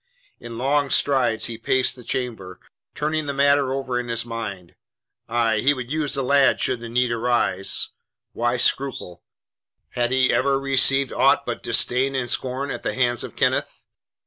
In long strides he paced the chamber, turning the matter over in his mind. Aye, he would use the lad should the need arise. Why scruple? Had he ever received aught but disdain and scorn at the hands of Kenneth.